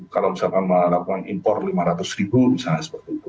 kalau misalkan melakukan impor lima ratus ribu misalnya seperti itu